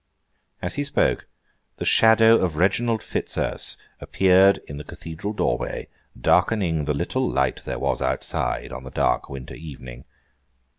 As he spoke, the shadow of Reginald Fitzurse appeared in the Cathedral doorway, darkening the little light there was outside, on the dark winter evening.